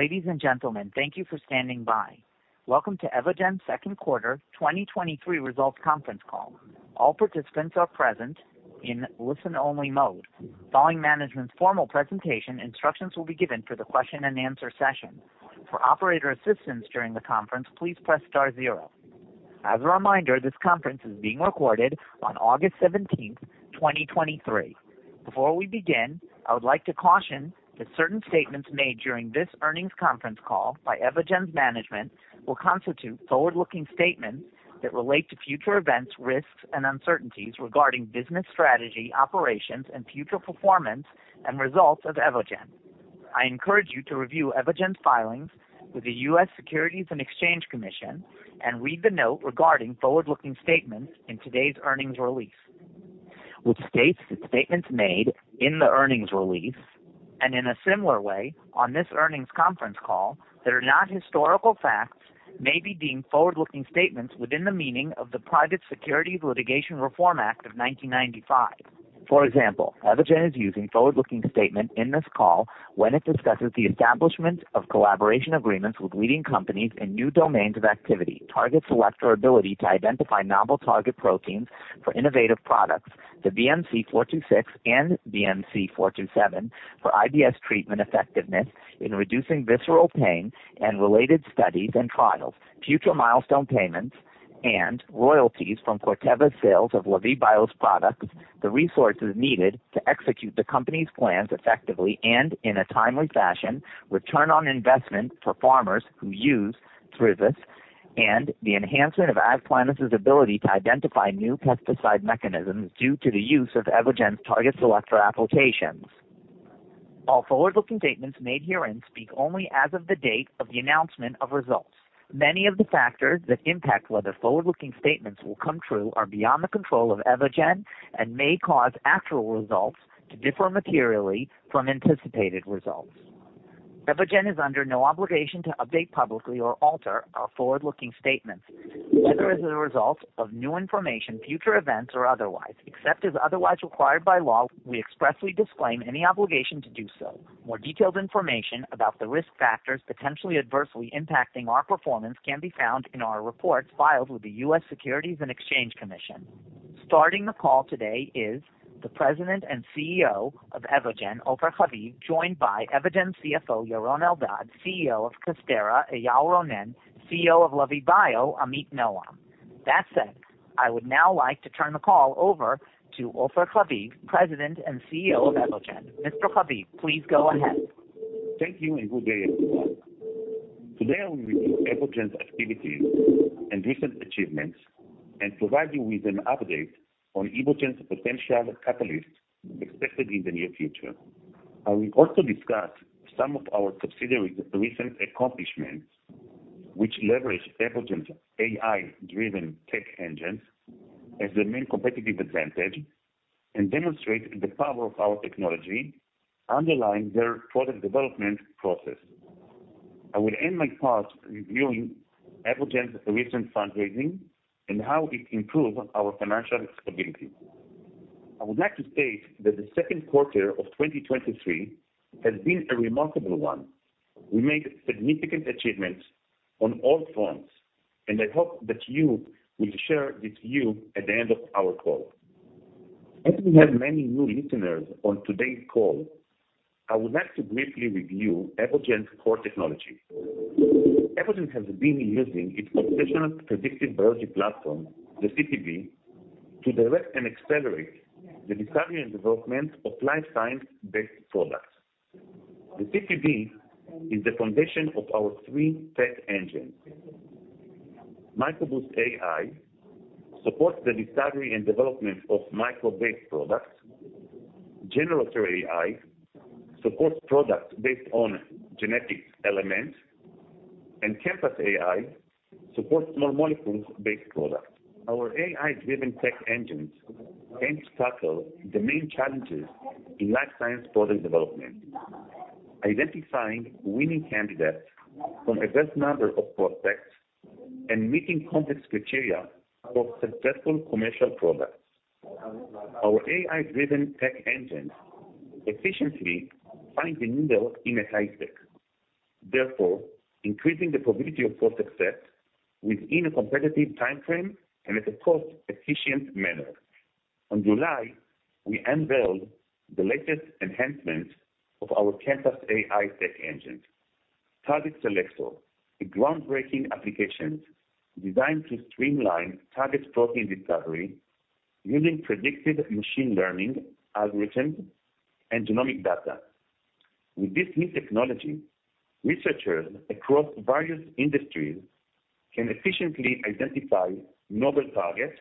Ladies and gentlemen, thank you for standing by. Welcome to Evogene's Second Quarter 2023 Results Conference Call. All participants are present in listen-only mode. Following management's formal presentation, instructions will be given for the question and answer session. For operator assistance during the conference, please press star zero. As a reminder, this conference is being recorded on August 17th, 2023. Before we begin, I would like to caution that certain statements made during this earnings conference call by Evogene's management will constitute forward-looking statements that relate to future events, risks, and uncertainties regarding business strategy, operations, and future performance and results of Evogene. I encourage you to review Evogene's filings with the U.S. Securities and Exchange Commission and read the note regarding forward-looking statements in today's earnings release, which states that statements made in the earnings release, and in a similar way, on this earnings conference call, that are not historical facts, may be deemed forward-looking statements within the meaning of the Private Securities Litigation Reform Act of 1995. For example, Evogene is using forward-looking statement in this call when it discusses the establishment of collaboration agreements with leading companies in new domains of activity. TargetSelector ability to identify novel target proteins for innovative products, the BMC426 and BMC427, for IBS treatment effectiveness in reducing visceral pain and related studies and trials, future milestone payments and royalties from Corteva sales of Lavie Bio's products, the resources needed to execute the company's plans effectively and in a timely fashion, return on investment for farmers who use Thrivus, and the enhancement of AgPlenus ability to identify new pesticide mechanisms due to the use of Evogene's TargetSelector applications. All forward-looking statements made herein speak only as of the date of the announcement of results. Many of the factors that impact whether forward-looking statements will come true are beyond the control of Evogene and may cause actual results to differ materially from anticipated results. Evogene is under no obligation to update publicly or alter our forward-looking statements, whether as a result of new information, future events, or otherwise. Except as otherwise required by law, we expressly disclaim any obligation to do so. More detailed information about the risk factors potentially adversely impacting our performance can be found in our reports filed with the U.S. Securities and Exchange Commission. Starting the call today is the President and CEO of Evogene, Ofer Haviv, joined by Evogene CFO, Yaron Eldad, CEO of Casterra, Eyal Ronen, CEO of Lavie Bio, Amit Noam. That said, I would now like to turn the call over to Ofer Haviv, President and CEO of Evogene. Mr. Haviv, please go ahead. Thank you and good day, everyone. Today, I will review Evogene's activities and recent achievements and provide you with an update on Evogene's potential catalyst expected in the near future. I will also discuss some of our subsidiaries' recent accomplishments, which leverage Evogene's AI-driven tech engines as the main competitive advantage and demonstrate the power of our technology, underlying their product development process. I will end my part reviewing Evogene's recent fundraising and how it improved our financial stability. I would like to state that the second quarter of 2023 has been a remarkable one. We made significant achievements on all fronts. I hope that you will share this view at the end of our call. As we have many new listeners on today's call, I would like to briefly review Evogene's core technology. Evogene has been using its professional predictive biology platform, the PDB, to direct and accelerate the discovery and development of life science-based products. The PDB is the foundation of our three tech engines. MicroBoost AI supports the discovery and development of micro-based products. GeneRator AI supports products based on genetic elements, and ChemPass AI supports small molecules-based products. Our AI-driven tech engines aim to tackle the main challenges in life science product development, identifying winning candidates from a large number of prospects and meeting complex criteria for successful commercial products. Our AI-driven tech engines efficiently find the needle in a haystack, therefore increasing the probability of success within a competitive timeframe and at a cost-efficient manner. On July, we unveiled the latest enhancement of our ChemPass AI tech engine, TargetSelector, a groundbreaking application designed to streamline target protein discovery using predictive machine learning algorithms and genomic data. With this new technology, researchers across various industries can efficiently identify novel target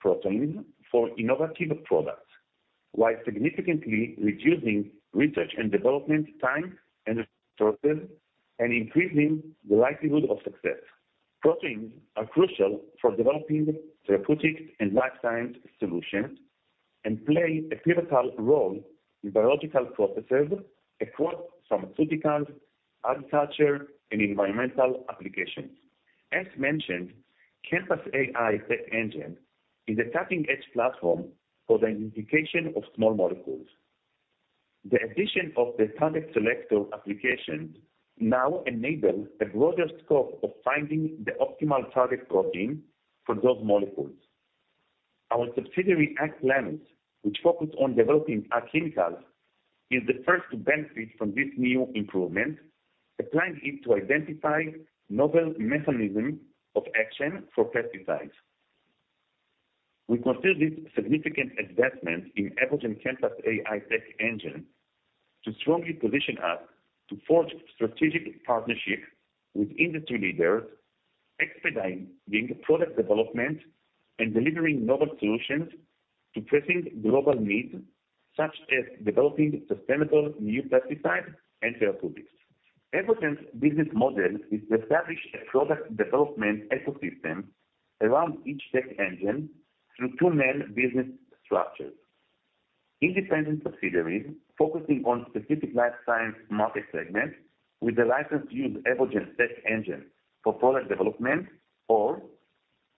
proteins for innovative products, while significantly reducing research and development time and resources, and increasing the likelihood of success. Proteins are crucial for developing therapeutic and life science solutions and play a pivotal role in biological processes across pharmaceuticals, agriculture, and environmental applications. As mentioned, ChemPass AI tech-engine is a cutting-edge platform for the identification of small molecules. The addition of the TargetSelector application now enables a broader scope of finding the optimal target protein for those molecules. Our subsidiary, AgPlenus, which focused on developing, [inaudible] is the first to benefit from this new improvement, applying it to identify novel mode of action for pesticides. We consider this significant investment in Evogene ChemPass AI tech engine, to strongly position us to forge strategic partnerships with industry leaders, expediting product development, and delivering novel solutions to pressing global needs, such as developing sustainable new pesticides and therapeutics. Evogene's business model is to establish a product development ecosystem around each tech engine through two main business structures: Independent subsidiaries focusing on specific life science market segments with the license to use Evogene tech engine for product development or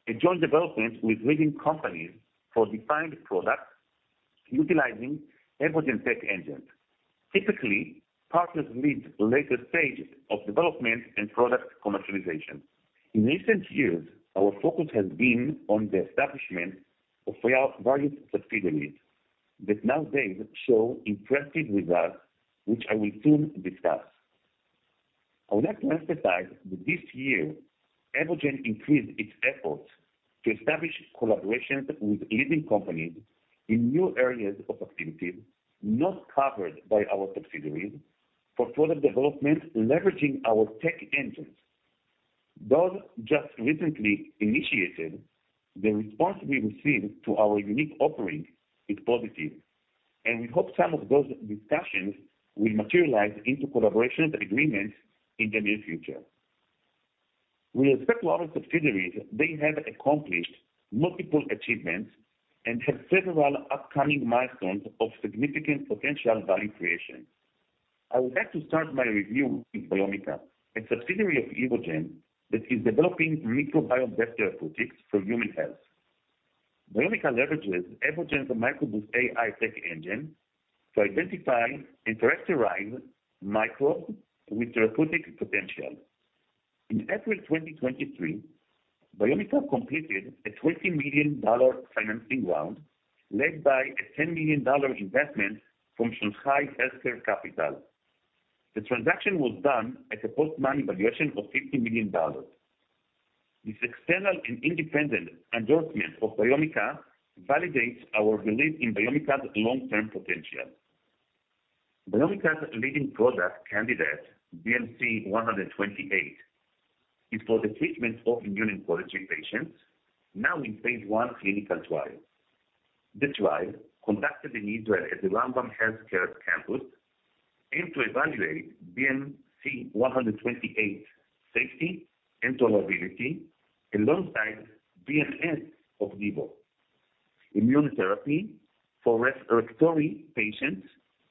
a joint development with leading companies for defined products utilizing Evogene tech engines. Typically, partners lead later stages of development and product commercialization. In recent years, our focus has been on the establishment of various subsidiaries, that nowadays show impressive results, which I will soon discuss. I would like to emphasize that this year, Evogene increased its efforts to establish collaborations with leading companies in new areas of activity not covered by our subsidiaries for product development, leveraging our tech engines. Those just recently initiated, the response we received to our unique offering is positive, and we hope some of those discussions will materialize into collaboration agreements in the near future. With respect to our subsidiaries, they have accomplished multiple achievements and have several upcoming milestones of significant potential value creation. I would like to start my review with Biomica, a subsidiary of Evogene, that is developing microbiome therapeutics for human health. Biomica leverages Evogene's MicroBoost AI tech engine to identify and characterize microbes with therapeutic potential. In April 2023, Biomica completed a $20 million financing round, led by a $10 million investment from Shanghai Healthcare Capital. The transaction was done at a post-money valuation of $50 million. This external and independent endorsement of Biomica validates our belief in Biomica's long-term potential. Biomica's leading product candidate, BMC128, is for the treatment of immune-related patients, now in phase I clinical trial. The trial, conducted in Israel at the Rambam Health Care Campus, aimed to evaluate BMC128 safety and tolerability alongside BMS Opdivo immunotherapy for respiratory patients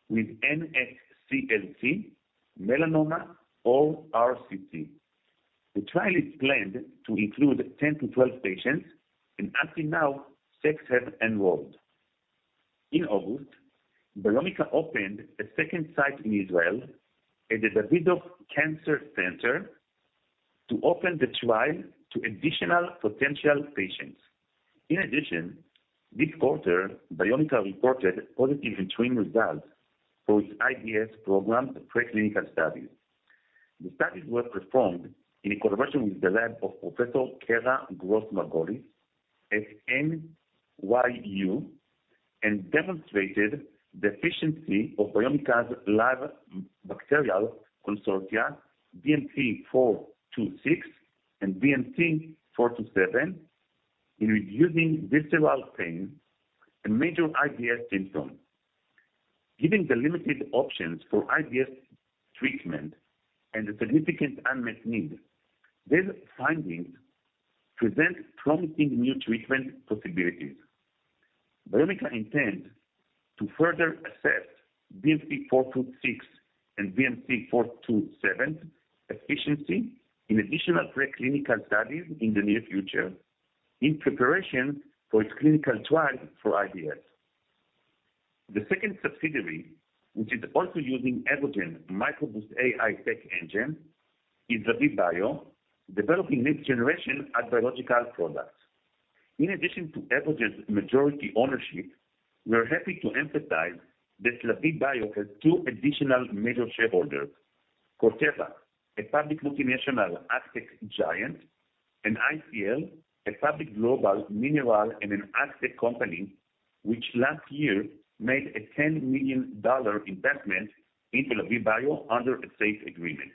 with NSCLC, melanoma, or RCC. The trial is planned to include 10 to 12 patients, and up to now, six have enrolled. In August, Biomica opened a second site in Israel at the Davidoff Cancer Center, to open the trial to additional potential patients. In addition, this quarter, Biomica reported positive interim results for its IBS program preclinical studies. The studies were performed in collaboration with the lab of Professor Kara Grossberg-Margolis at NYU, and demonstrated the efficiency of Biomica's live bacterial consortia, BMC426 and BMC427, in reducing visceral pain, a major IBS symptom. Given the limited options for IBS treatment and the significant unmet need, these findings present promising new treatment possibilities. Biomica intends to further assess BMC426 and BMC427 efficiency in additional preclinical studies in the near future, in preparation for its clinical trial for IBS. The second subsidiary, which is also using Evogene MicroBoost AI tech-engine, is Lavie Bio, developing next-generation biological products. In addition to Evogene's majority ownership, we are happy to emphasize that Lavie Bio has two additional major shareholders, Corteva, a public multinational AgTech giant, and ICL, a public global mineral and an AgTech company, which last year made a $10 million investment into Lavie Bio under a SAFE agreement.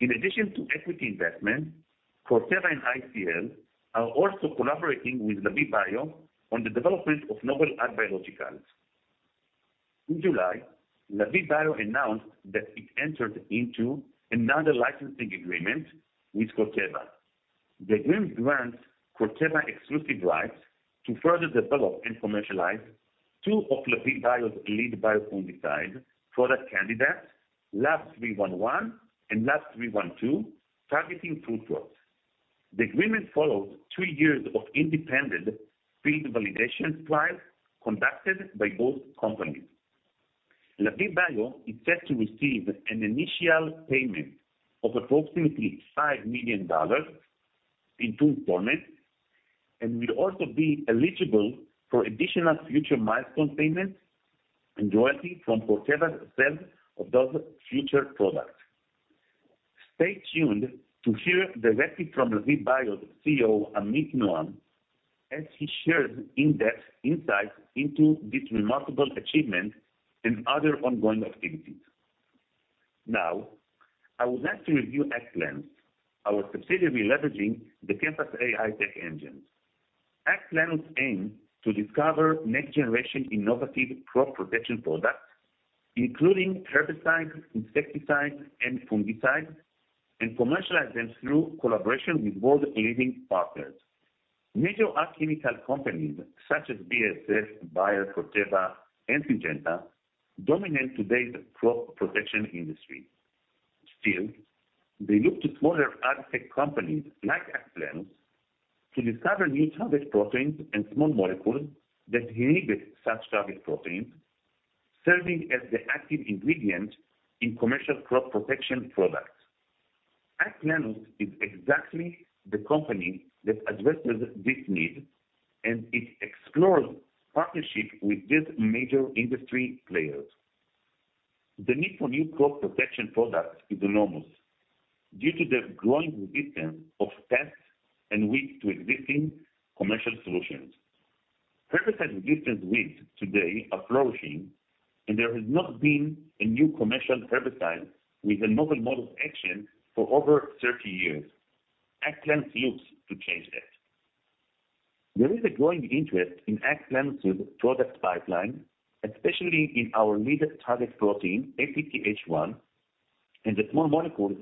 In addition to equity investment, Corteva and ICL are also collaborating with Lavie Bio on the development of novel agrobiologicals. In July, Lavie Bio announced that it entered into another licensing agreement with Corteva. The agreement grants Corteva exclusive rights to further develop and commercialize two of Lavie Bio's lead biofungicide product candidates, LAV311 and LAV312, targeting fruit crops. The agreement follows three years of independent field validation trials conducted by both companies. Lavie Bio is set to receive an initial payment of approximately $5 million in two installments, and will also be eligible for additional future milestone payments and royalties from whatever sales of those future products. Stay tuned to hear directly from Lavie Bio's CEO, Amit Noam, as he shares in-depth insights into this remarkable achievement and other ongoing activities. Now, I would like to review AgPlenus, our subsidiary leveraging the ChemPass AI tech-engine. AgPlenus aims to discover next-generation innovative crop protection products, including herbicides, insecticides, and fungicides, and commercialize them through collaboration with world-leading partners. Major ag chemical companies such as BASF, Bayer, Corteva, and Syngenta, dominate today's crop protection industry. They look to smaller ag tech companies like AgPlenus to discover new target proteins and small molecules that inhibit such target proteins, serving as the active ingredient in commercial crop protection products. AgPlenus is exactly the company that addresses this need, and it explores partnerships with these major industry players. The need for new crop protection products is enormous due to the growing resistance of pests and weeds to existing commercial solutions. Herbicide-resistant weeds today are flourishing, and there has not been a new commercial herbicide with a novel mode of action for over 30 years. AgPlenus looks to change that. There is a growing interest in AgPlenus's product pipeline, especially in our leading target protein, APTH1, and the small molecules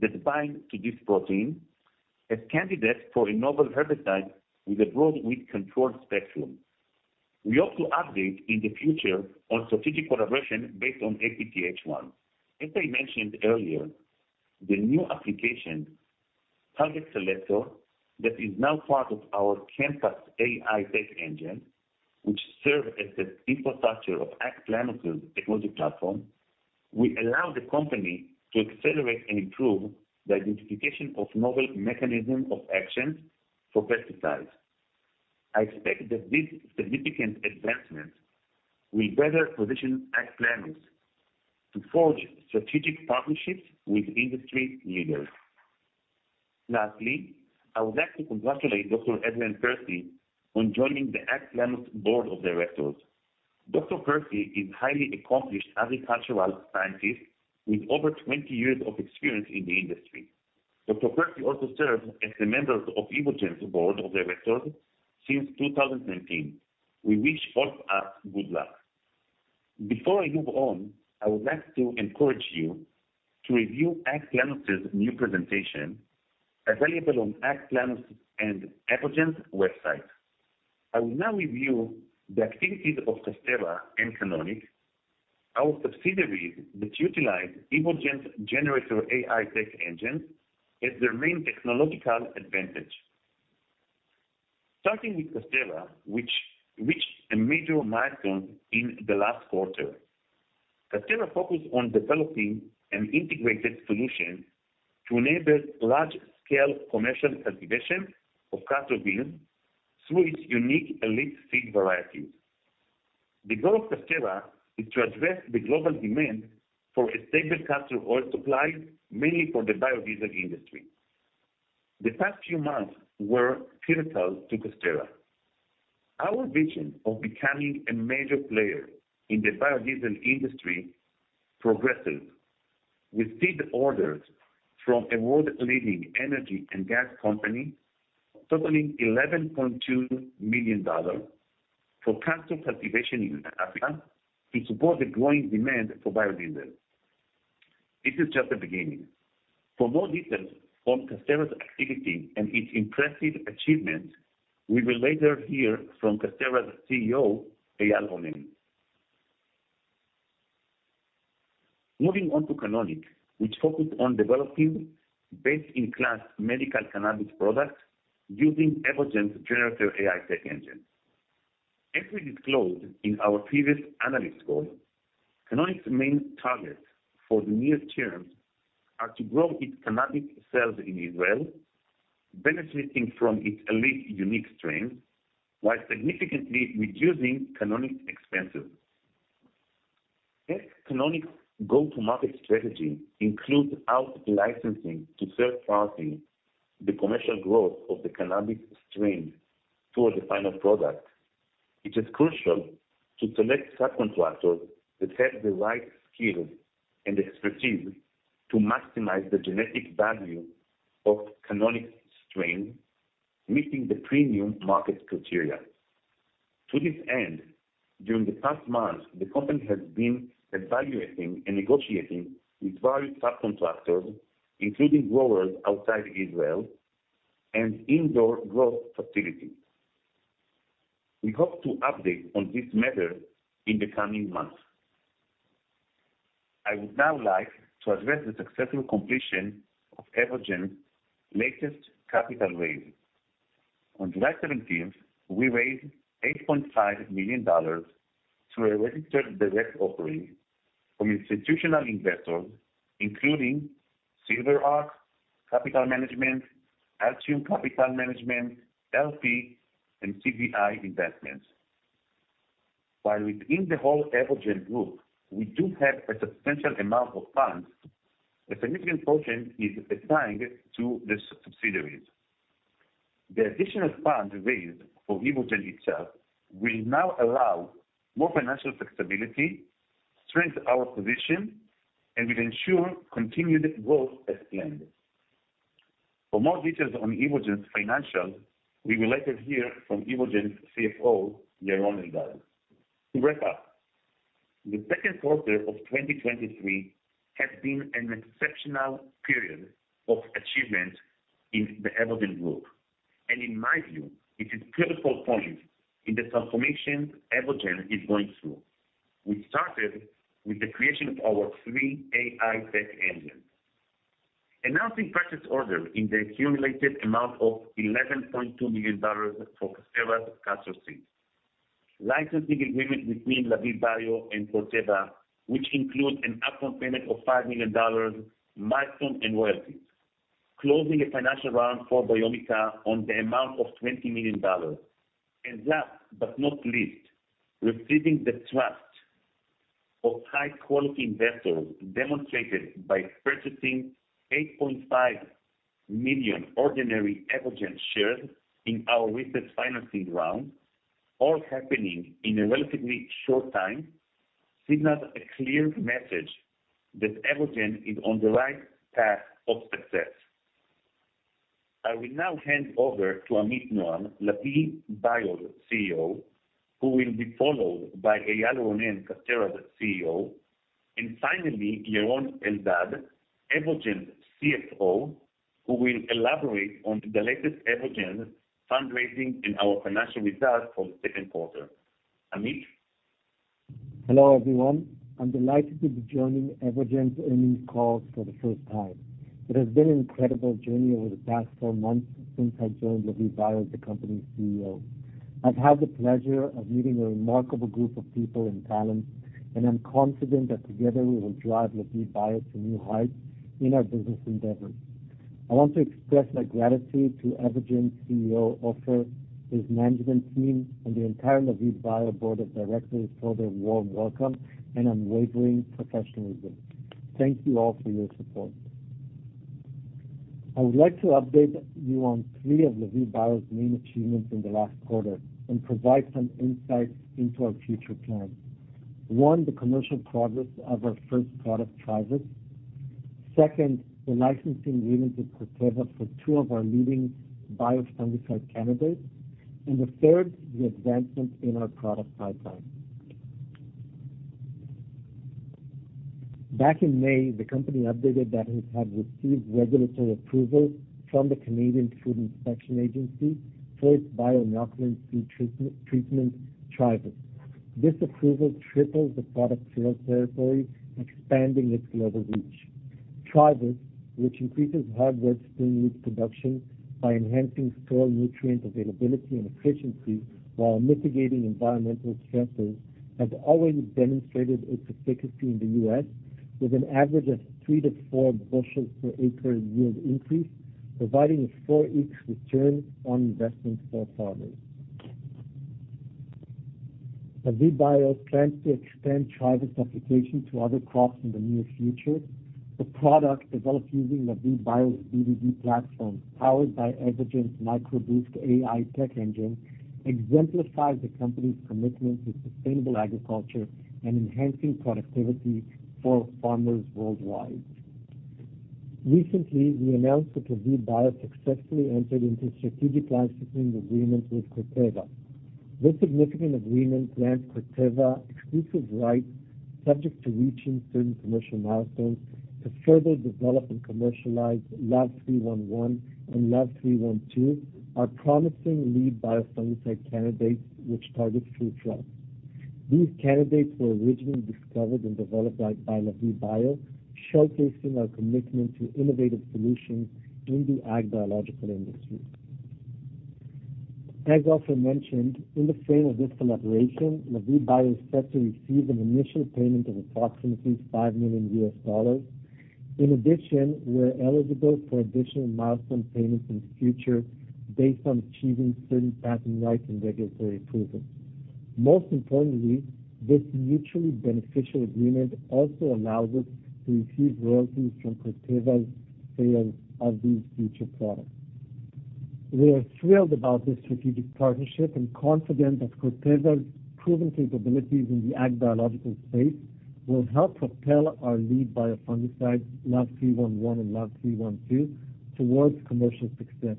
that bind to this protein as candidates for a novel herbicide with a broad weed control spectrum. We hope to update in the future on strategic collaboration based on APTH1. As I mentioned earlier, the new application, TargetSelector, that is now part of our ChemPass AI tech engine, which serves as the infrastructure of AgPlenus's technology platform, will allow the company to accelerate and improve the identification of novel modes of action for pesticides. I expect that this significant advancement will better position AgPlenus to forge strategic partnerships with industry leaders. I would like to congratulate Dr. Adrian Percy on joining the AgPlenus board of directors. Dr. Percy is a highly accomplished agricultural scientist with over 20 years of experience in the industry. Dr. Percy also serves as a member of Evogene's board of directors since 2019. We wish both us good luck. Before I move on, I would like to encourage you to review AgPlenus's new presentation, available on AgPlenus and Evogene's website. I will now review the activities of Casterra and Canonic, our subsidiaries that utilize Evogene's GeneRator AI tech engine as their main technological advantage. Starting with Casterra, which reached a major milestone in the last quarter. Casterra focused on developing an integrated solution to enable large-scale commercial cultivation of castor beans through its unique elite seed varieties. The goal of Casterra is to address the global demand for a stable castor oil supply, mainly for the biodiesel industry. The past few months were pivotal to Casterra. Our vision of becoming a major player in the biodiesel industry progressed with seed orders from a world-leading energy and gas company, totaling $11.2 million for castor cultivation in Africa to support the growing demand for biodiesel. This is just the beginning. For more details on Casterra's activity and its impressive achievements, we will later hear from Casterra's CEO, Eyal Ronen. Moving on to Canonic, which focused on developing best-in-class medical cannabis products using Evogene's GeneRator AI tech-engine. As we disclosed in our previous analyst call, Canonic's main targets for the near term are to grow its cannabis sales in Israel, benefiting from its elite unique strains, while significantly reducing Canonic's expenses. As Canonic's go-to-market strategy includes out-licensing to third parties, the commercial growth of the cannabis strain toward the final product, it is crucial to select subcontractors that have the right skills and expertise to maximize the genetic value of Canonic's strain, meeting the premium market criteria. To this end, during the past months, the company has been evaluating and negotiating with various subcontractors, including growers outside Israel and indoor growth facility. We hope to update on this matter in the coming months. I would now like to address the successful completion of Evogene's latest capital raise. On July 17th, we raised $8.5 million through a registered direct offering from institutional investors, including SilverArc Capital Management, Altium Capital Management, and CVI Investments. While within the whole Evogene group, we do have a substantial amount of funds, a significant portion is assigned to the subsidiaries. The additional funds raised for Evogene itself will now allow more financial flexibility, strengthen our position, and will ensure continued growth as planned. For more details on Evogene's financials, we will later hear from Evogene's CFO, Yaron Eldad. To wrap up, the second quarter of 2023 has been an exceptional period of achievement in the Evogene Group, and in my view, it is critical point in the transformation Evogene is going through. We started with the creation of our three AI tech engine, announcing purchase order in the accumulated amount of $11.2 million for Corteva's Castor Seeds. Licensing agreement between Lavie Bio and Corteva, which include an upfront payment of $5 million, milestone and royalties. Closing a financial round for Biomica on the amount of $20 million, last but not least, receiving the trust of high-quality investors, demonstrated by purchasing 8.5 million ordinary Evogene shares in our recent financing round, all happening in a relatively short time, signals a clear message that Evogene is on the right path of success. I will now hand over to Amit Noam, Lavie Bio's CEO, who will be followed by Eyal Ronen, Casterra's CEO, and finally, Yaron Eldad, Evogene's CFO, who will elaborate on the latest Evogene fundraising and our financial results for the second quarter. Amit? Hello, everyone. I'm delighted to be joining Evogene's earnings call for the first time. It has been an incredible journey over the past four months since I joined Lavie Bio, the company's CEO. I've had the pleasure of meeting a remarkable group of people and talents, and I'm confident that together we will drive Lavie Bio to new heights in our business endeavors. I want to express my gratitude to Evogene's CEO, Ofer, his management team, and the entire Lavie Bio board of directors for their warm welcome and unwavering professionalism. Thank you all for your support. I would like to update you on three of Lavie Bio's main achievements in the last quarter and provide some insights into our future plans. One, the commercial progress of our first product, Thrivus. Second, the licensing agreement with Corteva for two of our leading biofungicide candidates, and the third, the advancement in our product pipeline. Back in May, the company updated that it had received regulatory approval from the Canadian Food Inspection Agency for its bio-inoculant seed treatment, Thrivus. This approval triples the product sales territory, expanding its global reach. Thrivus, which increases hardwood spring root production by enhancing soil nutrient availability and efficiency while mitigating environmental stresses, has always demonstrated its efficacy in the U.S., with an average of three to four bushels per acre yield increase, providing a 4x return on investment for farmers. Lavie Bio plans to extend Thrivus application to other crops in the near future. The product, developed using Lavie Bio's BDD platform, powered by Evogene's MicroBoost AI tech-engine, exemplifies the company's commitment to sustainable agriculture and enhancing productivity for farmers worldwide. Recently, we announced that Lavie Bio successfully entered into a strategic licensing agreement with Corteva. This significant agreement grants Corteva exclusive rights, subject to reaching certain commercial milestones, to further develop and commercialize LAV311 and LAV312, our promising lead biofungicide candidates, which target fruit flies. These candidates were originally discovered and developed by Lavie Bio, showcasing our commitment to innovative solutions in the ag biological industry. As Ofer mentioned, in the frame of this collaboration, Lavie Bio is set to receive an initial payment of approximately $5 million. In addition, we're eligible for additional milestone payments in the future based on achieving certain patent rights and regulatory approvals. Most importantly, this mutually beneficial agreement also allows us to receive royalties from Corteva's sales of these future products. We are thrilled about this strategic partnership and confident that Corteva's proven capabilities in the ag biological space will help propel our lead biofungicide, LAV311 and LAV312, towards commercial success.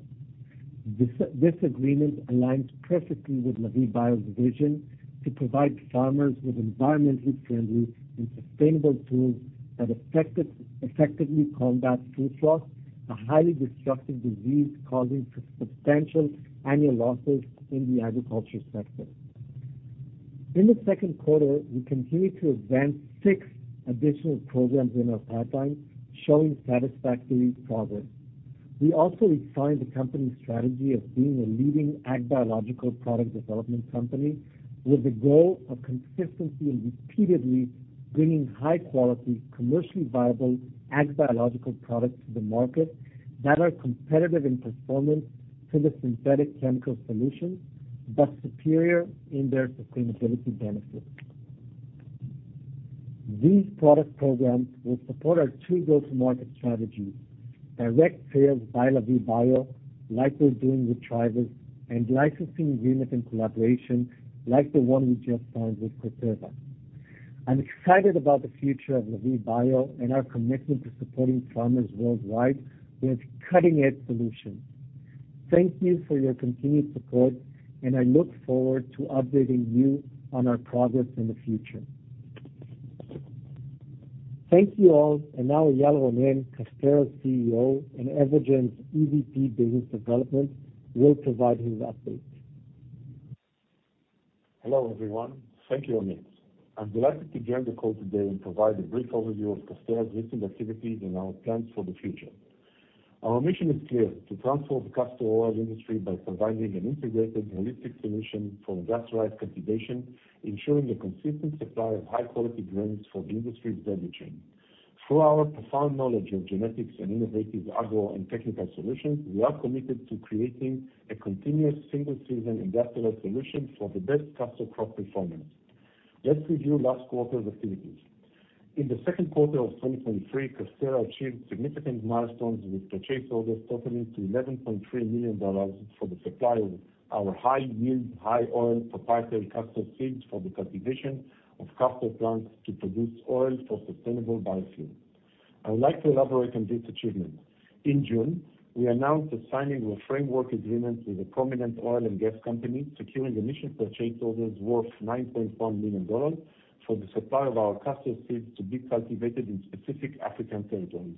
This agreement aligns perfectly with Lavie Bio's vision to provide farmers with environmentally friendly and sustainable tools that effectively combat fruit rot, a highly destructive disease causing substantial annual losses in the agriculture sector. In the second quarter, we continued to advance six additional programs in our pipeline, showing satisfactory progress. We also refined the company's strategy of being a leading ag biological product development company, with the goal of consistently and repeatedly bringing high quality, commercially viable ag biological products to the market that are competitive in performance to the synthetic chemical solutions, but superior in their sustainability benefits. These product programs will support our two go-to-market strategies: direct sales by Lavie Bio, like we're doing with Thrivus, and licensing agreements and collaboration, like the one we just signed with Corteva. I'm excited about the future of Lavie Bio and our commitment to supporting farmers worldwide with cutting-edge solutions. Thank you for your continued support, and I look forward to updating you on our progress in the future. Thank you all, and now Eyal Ronen, Casterra's CEO and Evogene's EVP Business Development, will provide his update. Hello, everyone. Thank you, Amit. I'm delighted to join the call today and provide a brief overview of Casterra's recent activities and our plans for the future. Our mission is clear, to transform the castor oil industry by providing an integrated, holistic solution for industrialized cultivation, ensuring a consistent supply of high-quality brands for the industry's value chain. Through our profound knowledge of genetics and innovative agro and technical solutions, we are committed to creating a continuous single-season industrial solution for the best castor crop performance. Let's review last quarter's activities. In the second quarter of 2023, Casterra achieved significant milestones with purchase orders totaling $11.3 million for the supply of our high-yield, high-oil proprietary castor seeds for the cultivation of castor plants to produce oil for sustainable biofuel. I would like to elaborate on this achievement. In June, we announced the signing of a framework agreement with a prominent oil and gas company, securing initial purchase orders worth $9.1 million for the supply of our castor seeds to be cultivated in specific African territories.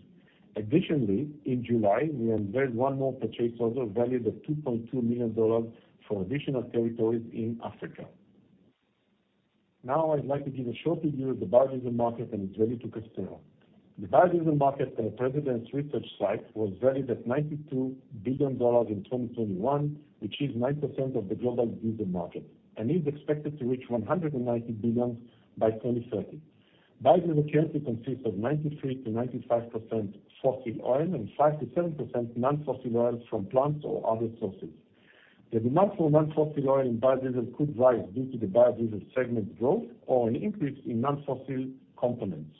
In July, we unveiled one more purchase order valued at $2.2 million for additional territories in Africa. I'd like to give a short overview of the biodiesel market and its value to Casterra. The biodiesel market per Precedence Research, was valued at $92 billion in 2021, which is 9% of the global diesel market and is expected to reach $190 billion by 2030. Biodiesel currently consists of 93%-95% fossil oil and 5%-7% non-fossil oils from plants or other sources. The demand for non-fossil oil in biodiesel could rise due to the biodiesel segment growth or an increase in non-fossil components.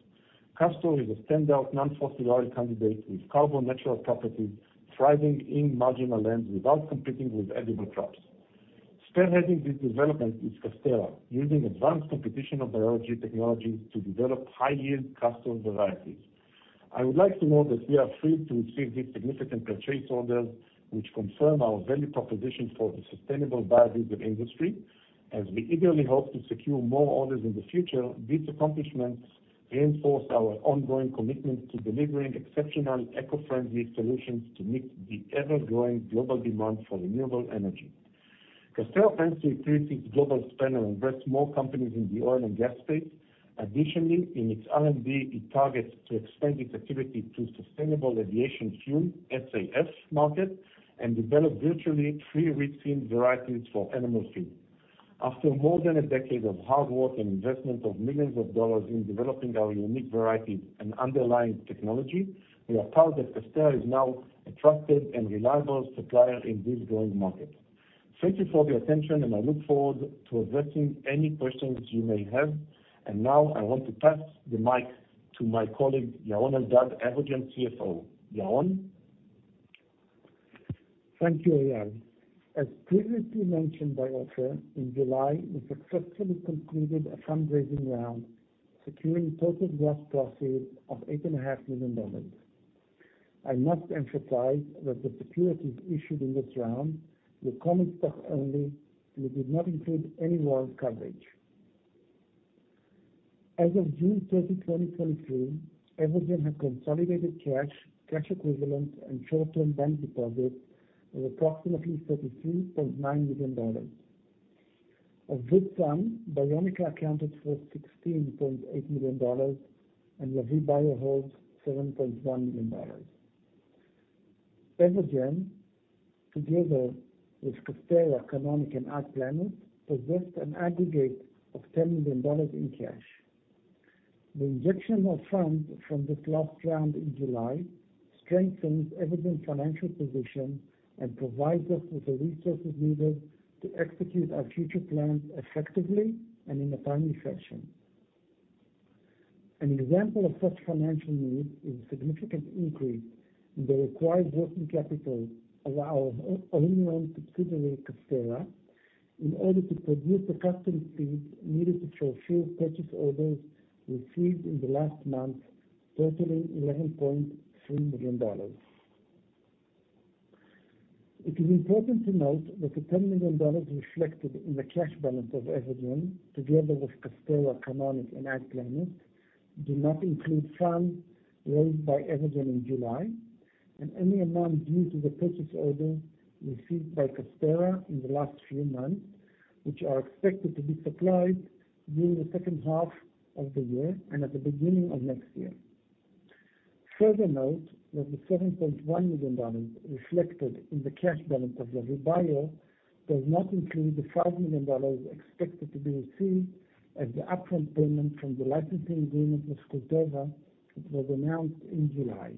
Castor is a standout non-fossil oil candidate with carbon natural properties, thriving in marginal lands without competing with edible crops. Spearheading this development is Casterra, using advanced computational biology technologies to develop high-yield castor varieties. I would like to note that we are thrilled to receive these significant purchase orders, which confirm our value proposition for the sustainable biodiesel industry. As we eagerly hope to secure more orders in the future, these accomplishments reinforce our ongoing commitment to delivering exceptional eco-friendly solutions to meet the ever-growing global demand for renewable energy. Casterra plans to increase its global spend and invest more companies in the oil and gas space. Additionally, in its R&D, it targets to expand its activity to sustainable aviation fuel, SAF market, and develop virtually three rich in varieties for animal feed. After more than a decade of hard work and investment of millions of dollars in developing our unique varieties and underlying technology, we are proud that Casterra is now a trusted and reliable supplier in this growing market. Thank you for the attention, and I look forward to addressing any questions you may have. Now I want to pass the mic to my colleague, Yaron Eldad, Evogene CFO. Yaron? Thank you, Eyal. As previously mentioned by Ofer, in July, we successfully concluded a fundraising round, securing total gross proceeds of $8.5 million. I must emphasize that the securities issued in this round were common stock only, and they did not include any warrant coverage. As of June 30th, 2023, Evogene had consolidated cash, cash equivalent, and short-term bank deposits of approximately $33.9 million. Of this sum, Biomica accounted for $16.8 million, and Lavie Bio holds $7.1 million. Evogene, together with Casterra, Canonic, and AgPlenus, possessed an aggregate of $10 million in cash. The injection of funds from this last round in July strengthens Evogene's financial position and provides us with the resources needed to execute our future plans effectively and in a timely fashion. An example of such financial need is a significant increase in the required working capital of our wholly owned subsidiary, Casterra in order to produce the customer seed needed to fulfill purchase orders received in the last month, totaling $11.3 million. It is important to note that the $10 million reflected in the cash balance of Evogene, together with Casterra, Canonic, and AgPlenus, do not include funds raised by Evogene in July, and any amount due to the purchase order received by Casterra in the last few months, which are expected to be supplied during the second half of the year and at the beginning of next year. Further note that the $7.1 million reflected in the cash balance of Lavie Bio does not include the $5 million expected to be received as the upfront payment from the licensing agreement with Corteva, that was announced in July.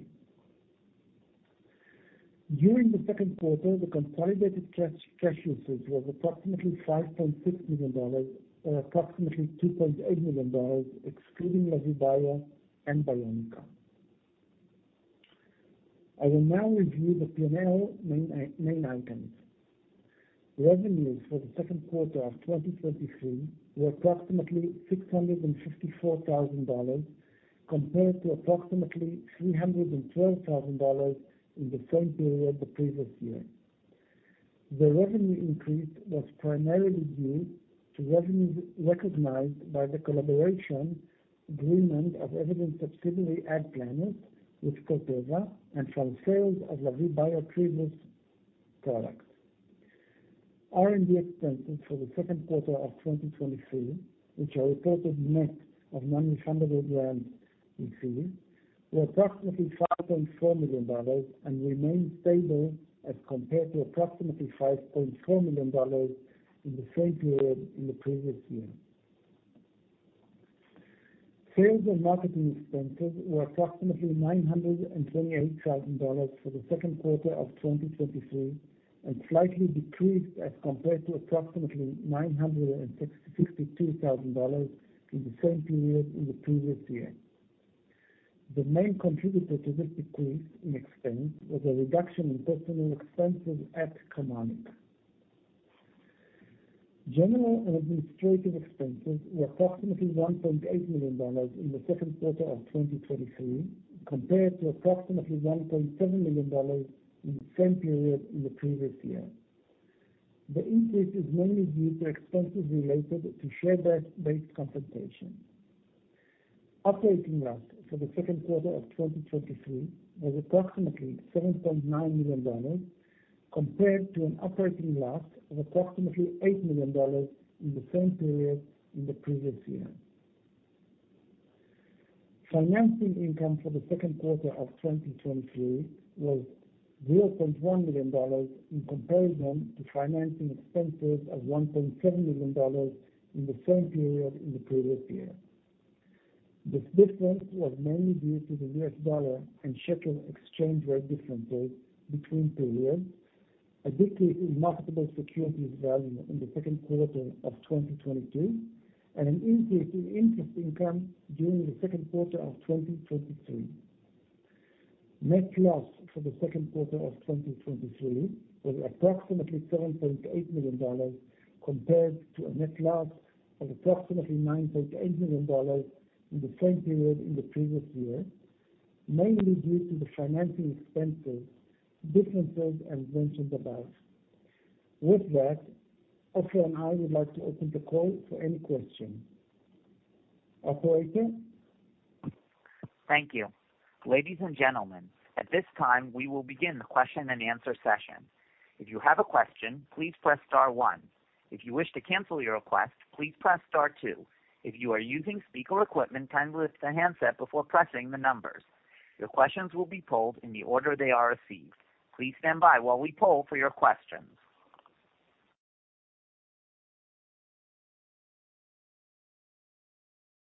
During the second quarter, the consolidated cash, cash uses was approximately $5.6 million, or approximately $2.8 million, excluding Lavie Bio and Biomica. I will now review the P&L main, main items. Revenues for the second quarter of 2023 were approximately $654,000, compared to approximately $312,000 in the same period the previous year. The revenue increase was primarily due to revenues recognized by the collaboration agreement of Evogene's subsidiary, AgPlenus, with Corteva, and from sales of Lavie Bio previous products. R&D expenses for the second quarter of 2023, which are reported net of non-refundable grants received, were approximately $5.4 million and remained stable as compared to approximately $5.4 million in the same period in the previous year. Sales and marketing expenses were approximately $928,000 for the second quarter of 2023, and slightly decreased as compared to approximately $962,000 in the same period in the previous year. The main contributor to this decrease in expense was a reduction in personal expenses at Canonic. General administrative expenses were approximately $1.8 million in the second quarter of 2023, compared to approximately $1.7 million in the same period in the previous year. The increase is mainly due to expenses related to share-based compensation. Operating loss for the second quarter of 2023 was approximately $7.9 million, compared to an operating loss of approximately $8 million in the same period in the previous year. Financing income for the second quarter of 2023 was $0.1 million, in comparison to financing expenses of $1.7 million in the same period in the previous year. This difference was mainly due to the US dollar and shekel exchange rate differences between periods, a decrease in marketable securities value in the second quarter of 2022, and an increase in interest income during the second quarter of 2023. Net loss for the second quarter of 2023 was approximately $7.8 million, compared to a net loss of approximately $9.8 million in the same period in the previous year, mainly due to the financing expenses, differences, and mentions above. With that, Ofer and I would like to open the call for any questions. Operator? Thank you. Ladies and gentlemen, at this time, we will begin the question-and-answer session. If you have a question, please press star one. If you wish to cancel your request, please press star two. If you are using speaker equipment, kindly lift the handset before pressing the numbers. Your questions will be polled in the order they are received. Please stand by while we poll for your questions.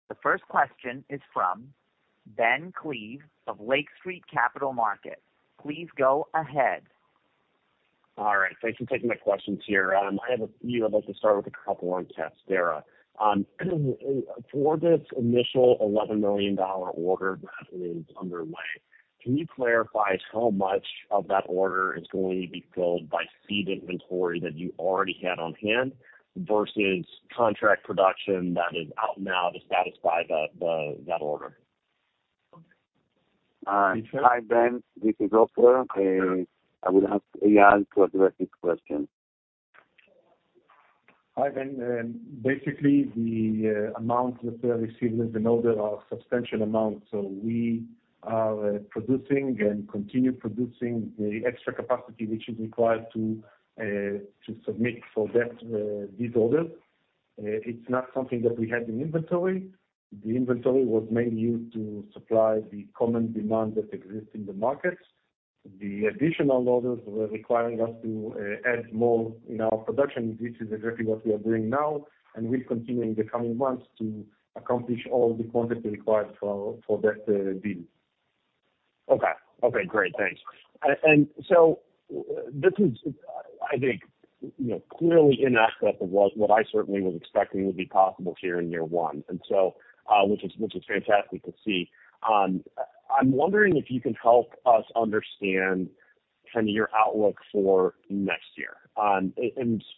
The first question is from Ben Klieve of Lake Street Capital Market. Please go ahead. All right. Thanks for taking my questions here. I have a few. I'd like to start with a couple on Casterra. For this initial $11 million order that is underway, can you clarify how much of that order is going to be filled by seed inventory that you already had on hand versus contract production that is out now to satisfy the, the, that order? Hi, Ben. This is Ofer. I will ask Eyal to address this question. Hi, Ben. The amount that I received in the order are substantial amounts. We are producing and continue producing the extra capacity which is required to submit for that these orders. It's not something that we had in inventory. The inventory was mainly used to supply the common demand that exists in the market. The additional orders were requiring us to add more in our production, which is exactly what we are doing now, and will continue in the coming months to accomplish all the quantity required for, for that deal. Okay. Okay, great. Thanks. So this is, I think, you know, clearly in that sense, it was what I certainly was expecting would be possible here in year one, and so which is, which is fantastic to see. I'm wondering if you can help us understand kind of your outlook for next year.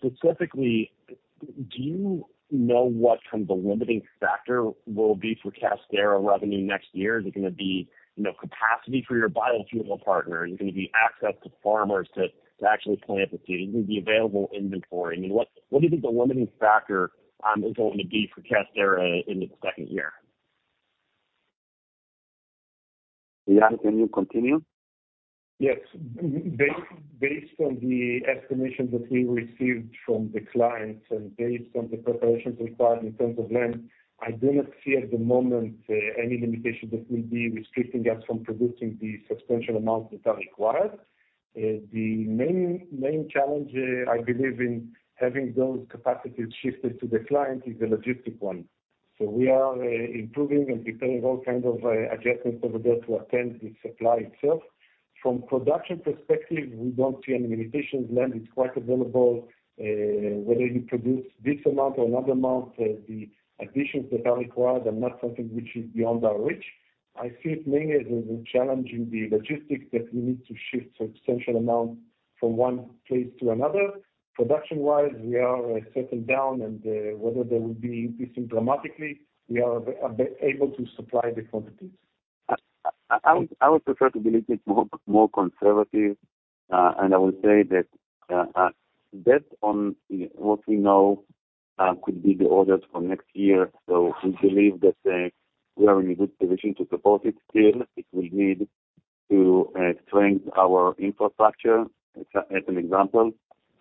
Specifically, do you know what kind of the limiting factor will be for Casterra revenue next year? Is it gonna be, you know, capacity for your biofuel partner? Is it gonna be access to farmers to, to actually plant the seed? Is it gonna be available inventory? I mean, what, what do you think the limiting factor is going to be for Casterra in its second year? Eyal can you continue? Yes. Based, based on the estimation that we received from the clients and based on the preparations required in terms of land, I do not see at the moment, any limitations that will be restricting us from producing the substantial amounts that are required. The main, main challenge, I believe, in having those capacities shifted to the client is the logistic one. We are improving and preparing all kinds of adjustments over there to attend the supply itself. From production perspective, we don't see any limitations. Land is quite available. Whether you produce this amount or another amount, the additions that are required are not something which is beyond our reach. I see it mainly as a challenge in the logistics that we need to shift substantial amount from one place to another. Production-wise, we are settling down, and whether they will be increasing dramatically, we are able to supply the quantities. I would prefer to be a little bit more, more conservative. I would say that, based on what we know, could be the orders for next year. We believe that we are in a good position to support it. Still, it will need to strength our infrastructure, as an example.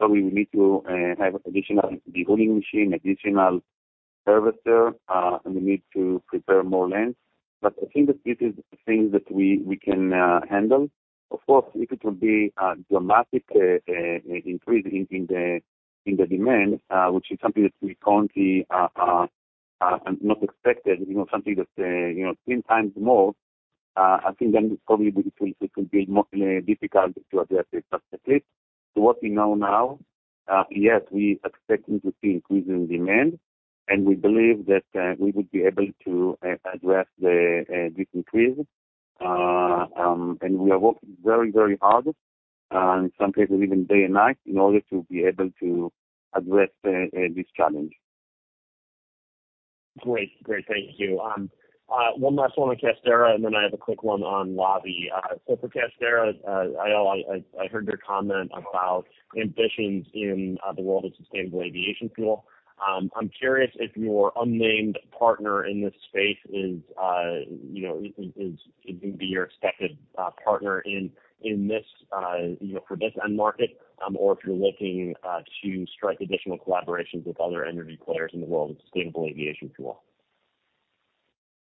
We will need to have additional de-rooting machine, additional harvester, and we need to prepare more land. I think that this is things that we can handle. Of course, if it will be a dramatic increase in the demand, which is something that we currently not expected, you know, something that, you know, 10x more, I think then it probably will, it will be more difficult to address it subsequently. What we know now, yes, we expecting to see increase in demand, and we believe that we would be able to address this increase. We are working very, very hard, in some cases, even day and night, in order to be able to address this challenge. Great. Great, thank you. One last one on Casterra. Then I have a quick one on Lavi. For Casterra, I heard your comment about ambitions in the world of sustainable aviation fuel. I'm curious if your unnamed partner in this space is, you know, gonna be your expected partner in this, you know, for this end market, or if you're looking to strike additional collaborations with other energy players in the world of sustainable aviation fuel.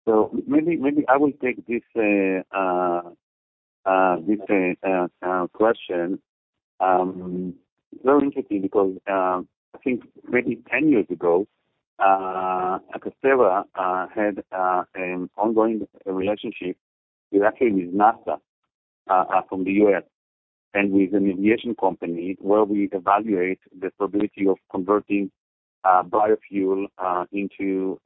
Maybe, maybe I will take this question. Very interesting because I think maybe 10 years ago, Casterra had an ongoing relationship with, actually, with NASA from the U.S. and with an aviation company, where we evaluate the possibility of converting biofuel into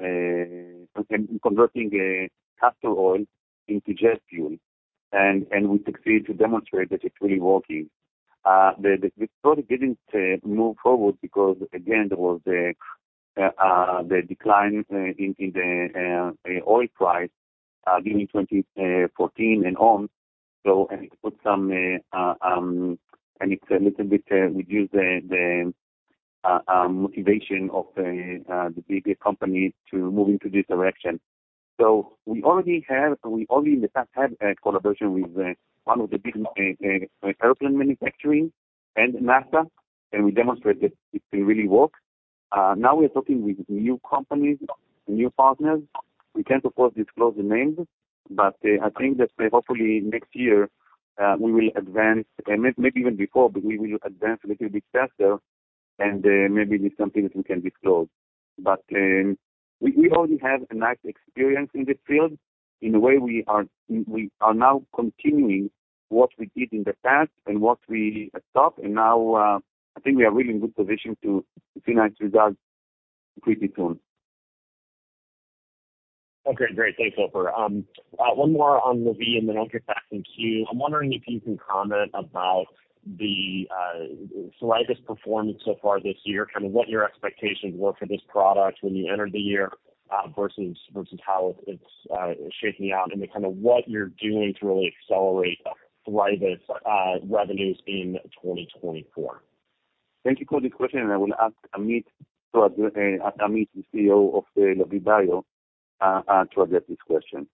converting castor oil into jet fuel. We succeeded to demonstrate that it's really working. The study didn't move forward because again, there was a decline in the oil price during in 2014 and on. It's a little bit reduced the motivation of the bigger companies to move into this direction. We already have, we already in the past had a collaboration with, one of the big, airplane manufacturing and NASA, and we demonstrated that it can really work. Now we're talking with new companies, new partners. We can't, of course, disclose the names, but, I think that hopefully next year, we will advance, and maybe even before, but we will advance a little bit faster, and maybe this company can be disclosed. We already have a nice experience in this field. In a way, we are, we, we are now continuing what we did in the past and what we stopped, and now, I think we are really in good position to see nice results pretty soon. Okay, great. Thanks, Ofer. One more on Lavi, and then I'll get back in queue. I'm wondering if you can comment about the Thrivus performance so far this year, kind of what your expectations were for this product when you entered the year, versus, versus how it's shaking out, and then kind of what you're doing to really accelerate Thrivus's revenues in 2024. Thank you for the question, and I will ask Amit to, Amit, the CEO of Lavie Bio, to address this question.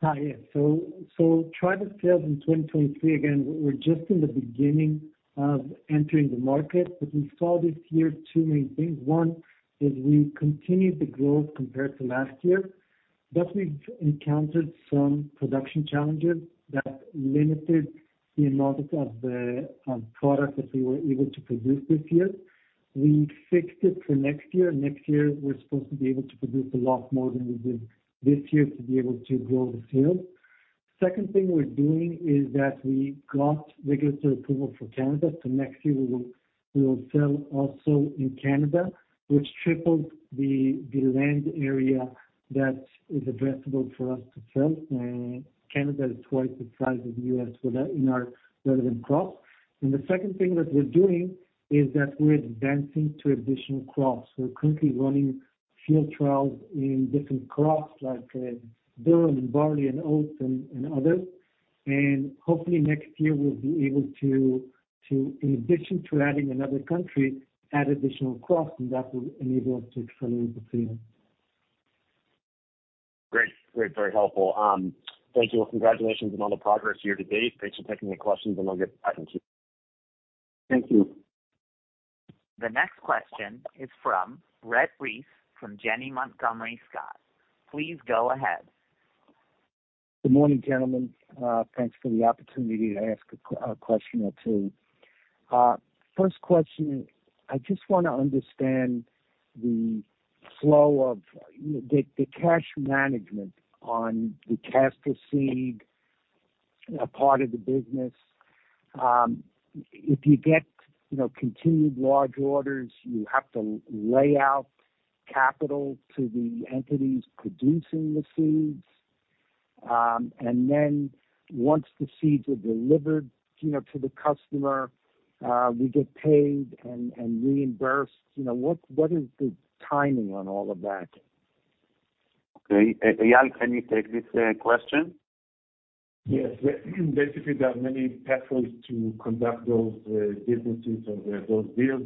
Hi. Yeah, Thrivus sales in 2023, again, we're just in the beginning of entering the market, but we saw this year two main things. One, is we continued the growth compared to last year, but we've encountered some production challenges that limited the amount of the product that we were able to produce this year. We fixed it for next year. Next year, we're supposed to be able to produce a lot more than we did this year to be able to grow the sales. Second thing we're doing is that we got regulatory approval for Canada. Next year, we will sell also in Canada, which triples the land area that is addressable for us to sell. Canada is twice the size of the U.S. for that, in our relevant crops. The second thing that we're doing is that we're advancing to additional crops. We're currently running field trials in different crops like, durum and barley and oats and, and others. Hopefully next year, we'll be able to, to, in addition to adding another country, add additional crops, and that will enable us to accelerate the sales. Great. Great, very helpful. Thank you, and congratulations on all the progress here to date. Thanks for taking the questions, and I'll get back to you. Thank you. The next question is from Brett Reiss, from Janney Montgomery Scott. Please go ahead. Good morning, gentlemen. Thanks for the opportunity to ask a question or two. First question, I just wanna understand the flow of, you know, the, the cash management on the castor seed part of the business. If you get, you know, continued large orders, you have to lay out capital to the entities producing the seeds, then once the seeds are delivered, you know, to the customer, we get paid and, and reimbursed. You know, what, what is the timing on all of that? Okay. Eyal, can you take this question? Yes. Basically, there are many pathways to conduct those businesses or those deals.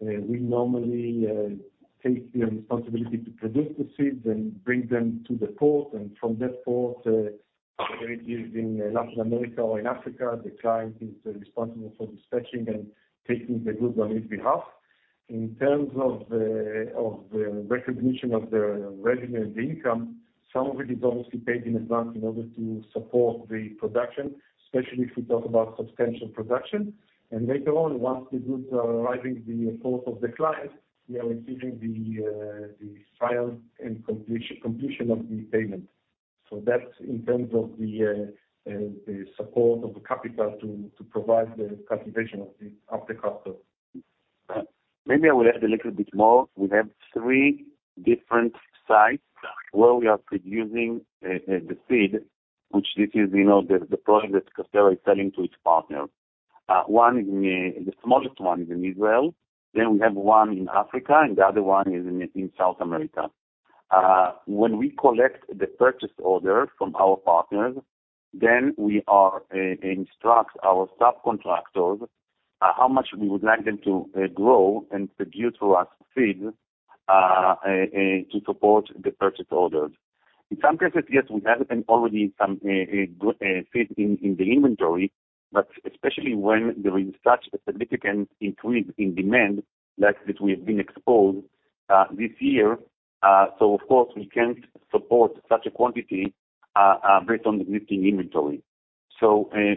We normally take the responsibility to produce the seeds and bring them to the port, and from that port, whether it is in Latin America or in Africa, the client is responsible for dispatching and taking the goods on his behalf. In terms of the recognition of the revenue and the income, some of it is obviously paid in advance in order to support the production, especially if we talk about substantial production. Later on, once the goods are arriving the port of the client, we are receiving the final and completion of the payment. That's in terms of the support of the capital to provide the cultivation of the customer. Maybe I will add a little bit more. We have three different sites where we are producing the seed, which this is, you know, the product that Casterra is selling to its partners. One is in the smallest one is in Israel, then we have one in Africa, and the other one is in South America. When we collect the purchase order from our partners, then we are instruct our subcontractors how much we would like them to grow and produce to us seed to support the purchase orders. In some cases, yes, we have already some good seed in the inventory. Especially when there is such a significant increase in demand like that we've been exposed this year, of course, we can't support such a quantity based on the existing inventory.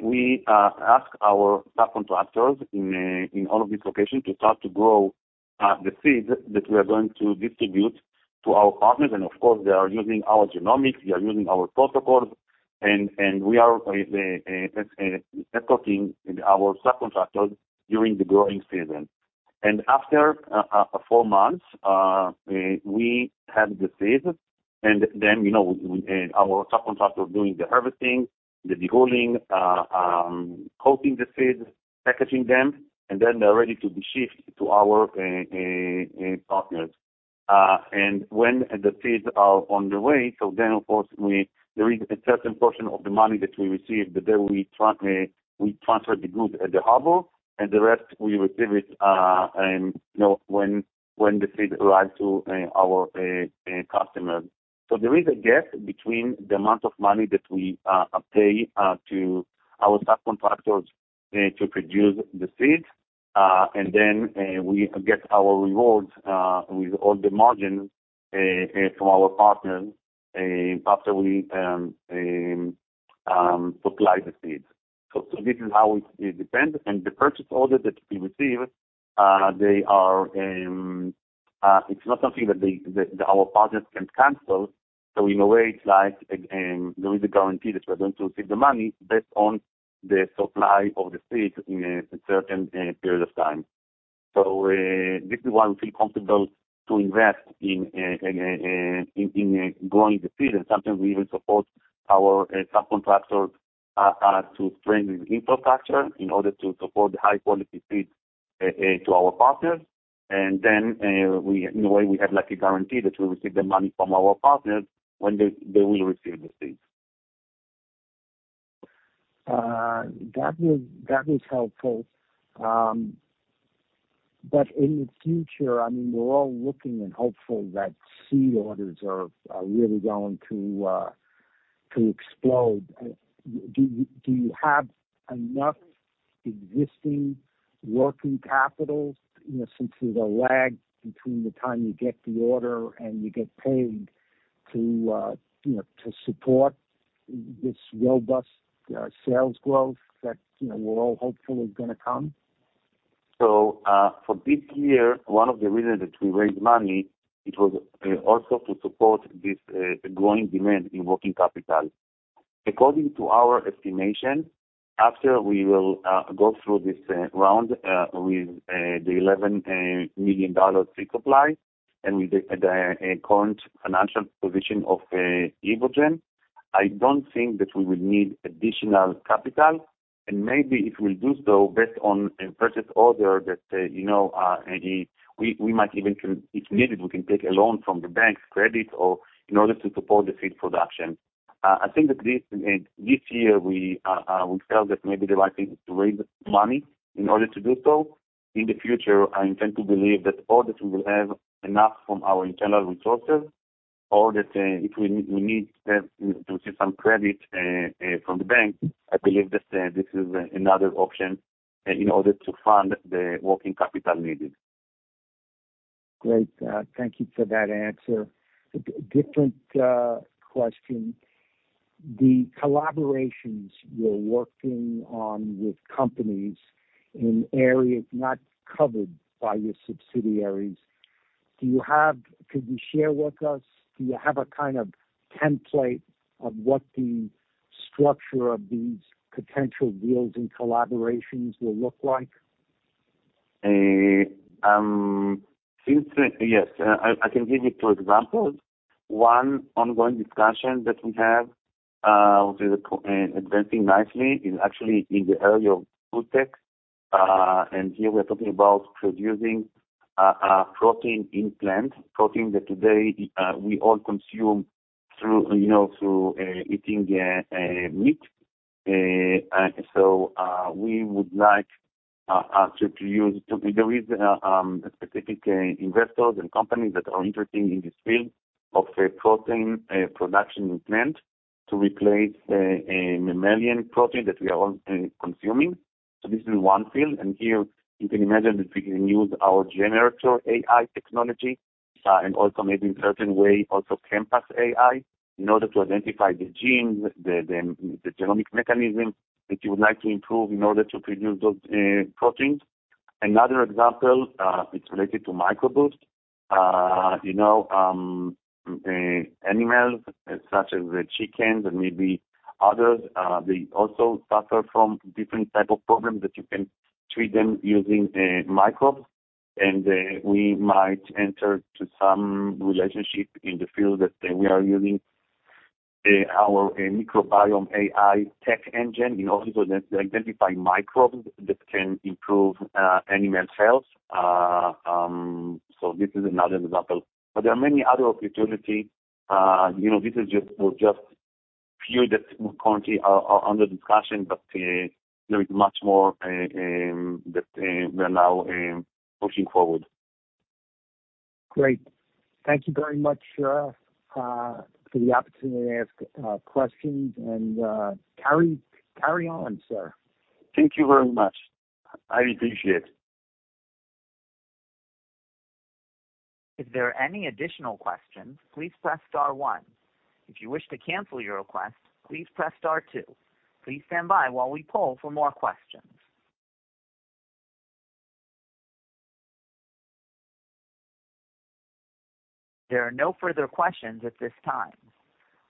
We ask our subcontractors in all of these locations to start to grow the seeds that we are going to distribute to our partners. Of course, they are using our genomics, they are using our protocols, and we are supporting our subcontractors during the growing season. After four months, we, we have the seeds, and then, you know, we, and our subcontractor doing the harvesting, the de-hulling, coating the seeds, packaging them, and then they're ready to be shipped to our partners. When the seeds are on the way, so then, of course, there is a certain portion of the money that we receive, the day we transfer the goods at the harbor, and the rest we receive it, you know, when, when the seed arrive to our customers. There is a gap between the amount of money that we pay to our subcontractors to produce the seeds, and then we get our rewards with all the margin from our partners after we supply the seeds. This is how it depends, and the purchase order that we receive, they are, it's not something that our partners can cancel. In a way, it's like, there is a guarantee that we're going to receive the money based on the supply of the seeds in a certain period of time. This is why we feel comfortable to invest in growing the seed. Sometimes we even support our subcontractors to strengthen infrastructure in order to support the high-quality seeds to our partners. Then, we, in a way, we have like a guarantee that we receive the money from our partners when they, they will receive the seeds. That was, that was helpful. In the future, I mean, we're all looking and hopeful that seed orders are, are really going to, to explode. Do you, do you have enough existing working capital, you know, since there's a lag between the time you get the order and you get paid to, you know, to support this robust, sales growth that, you know, we're all hopeful is gonna come? For this year, one of the reasons that we raised money, it was also to support this growing demand in working capital. According to our estimation, after we will go through this round with the $11 million supply and with the current financial position of Evogene, I don't think that we will need additional capital, and maybe if we do so based on a purchase order that, you know, we might even if needed, we can take a loan from the bank's credit or in order to support the seed production. I think that this year, we felt that maybe the right thing is to raise money in order to do so. In the future, I intend to believe that all that we will have enough from our internal resources or that, if we, we need to, to receive some credit, from the bank, I believe that, this is another option in order to fund the working capital needed. Great. Thank you for that answer. Different question. The collaborations you're working on with companies in areas not covered by your subsidiaries, could you share with us, do you have a kind of template of what the structure of these potential deals and collaborations will look like? Yes, I, I can give you two examples. One, ongoing discussion that we have is advancing nicely is actually in the area of food tech. Here we're talking about producing protein in plant, protein that today we all consume through, you know, through eating meat. We would like to use. There is specific investors and companies that are interested in this field of protein production in plant to replace a mammalian protein that we are all consuming. This is one field, and here you can imagine that we can use our GeneRator AI technology, and also maybe in certain way, also ChemPass AI, in order to identify the genes, the, the, the genomic mechanism that you would like to improve in order to produce those proteins. Another example, it's related to microbes. You know, animals such as chickens and maybe others, they also suffer from different type of problems that you can treat them using microbes. We might enter to some relationship in the field that we are using our microbiome AI tech engine in order to identify microbes that can improve animal health. This is another example, but there are many other opportunity. you know, this is just- were just few that currently are, are under discussion, but, there is much more, that, we are now, pushing forward. Great. Thank you very much, sir, for the opportunity to ask questions and carry, carry on, sir. Thank you very much. I appreciate. If there are any additional questions, please press star one. If you wish to cancel your request, please press star two. Please stand by while we poll for more questions. There are no further questions at this time.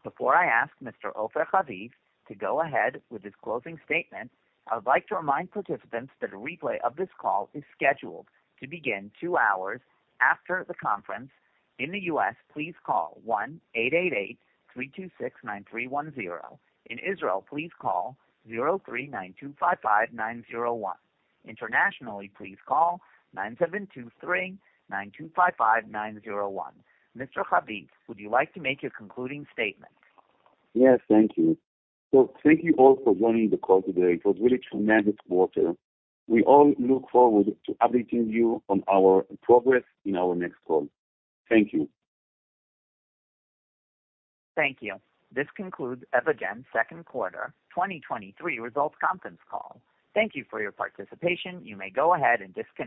Before I ask Mr. Ofer Haviv to go ahead with his closing statement, I would like to remind participants that a replay of this call is scheduled to begin two hours after the conference. In the U.S., please call 1-888-326-9310. In Israel, please call 03-925-5901. Internationally, please call 972-3-925-5901. Mr. Haviv, would you like to make your concluding statement? Yes, thank you. Thank you all for joining the call today. It was really tremendous quarter. We all look forward to updating you on our progress in our next call. Thank you. Thank you. This concludes Evogene Second Quarter 2023 Results Conference Call. Thank you for your participation. You may go ahead and disconnect.